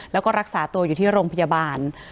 แล้วก็รักษาตัวอยู่ที่โรงพยาบาล